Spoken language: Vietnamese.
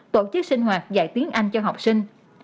tổ chức sinh hoạt dạy tiếng anh cho học sinh